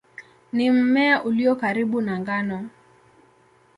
Ni mmea ulio karibu na ngano.